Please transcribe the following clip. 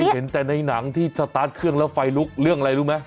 เห็นแต่ในหนังที่สตาร์ทเครื่องแล้วไฟลุกเรื่องอะไรรู้ไหม